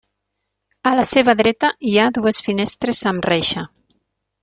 A la seva dreta hi ha dues finestres amb reixa.